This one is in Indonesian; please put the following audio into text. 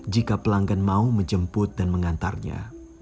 jika pelanggan mau menjemput dan mengantarnya